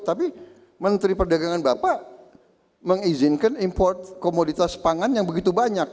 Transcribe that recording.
tapi menteri perdagangan bapak mengizinkan import komoditas pangan yang begitu banyak